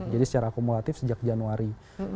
jadi secara akumulatif sejak januari